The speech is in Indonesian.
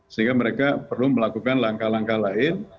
sehingga mereka perlu melakukan langkah langkah lain